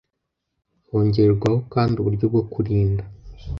Hongerwaho kandi uburyo bwo kurinda